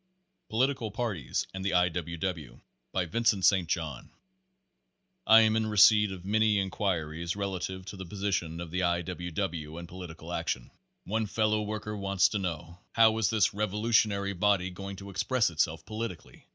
POLITICAL PARTIES AND THE I. W. W. By Vincent St. John. I am in receipt of many inquiries relative to the position of the I. W. W. and political action. One fellow Page Forty worker wants to know, "How is this revolutionary body going to express itself politically